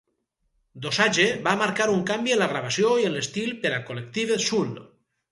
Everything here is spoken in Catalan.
"Dosage" va marcar un canvi en la gravació i en l'estil per a Collective Soul.